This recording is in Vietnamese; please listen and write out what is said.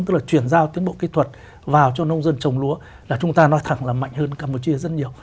tức là chuyển giao tiến bộ kỹ thuật vào cho nông dân trồng lúa là chúng ta nói thẳng là mạnh hơn campuchia rất nhiều